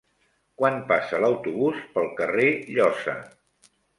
Quan passa l'autobús pel carrer Llosa?